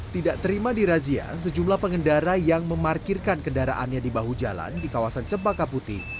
tidak terima di razia sejumlah pengendara yang memarkirkan kendaraannya di bahu jalan di kawasan cempaka putih